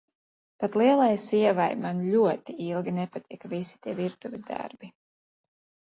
Pat lielai sievai man ļoti ilgi nepatika visi tie virtuves darbi.